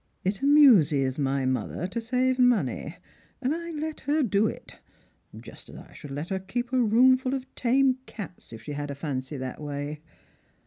" It amuses my mother to save money, and I let her do it. Just as I should let her keep a roomful of tame cats if fihe had a fancy that way.